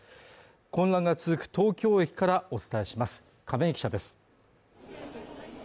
混乱が続く東京駅からお伝えします亀井記者です